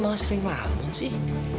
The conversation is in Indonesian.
mama sering ngelamun sih